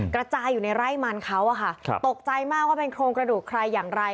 กระจายอยู่ในไร่มันเขาอะค่ะตกใจมากว่าเป็นโครงกระดูกใครอย่างไร